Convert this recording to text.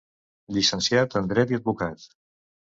Llicenciat en Dret i Advocat.